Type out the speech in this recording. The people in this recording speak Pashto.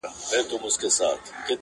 اوړه دي پر اوړه، منت دي پر څه؟